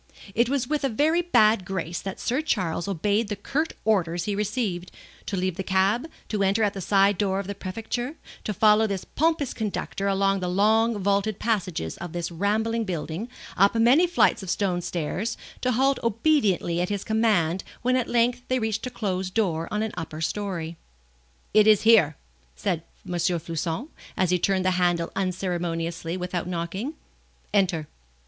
It was with a very bad grace that Sir Charles obeyed the curt orders he received, to leave the cab, to enter at a side door of the Prefecture, to follow this pompous conductor along the long vaulted passages of this rambling building, up many flights of stone stairs, to halt obediently at his command when at length they reached a closed door on an upper story. "It is here!" said M. Floçon, as he turned the handle unceremoniously without knocking. "Enter."